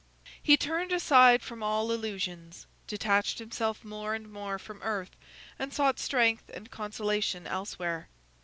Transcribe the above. He turned aside from all illusions, detached himself more and more from earth, and sought strength and consolation elsewhere.